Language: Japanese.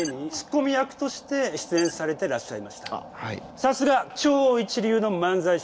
さすが超一流の漫才師。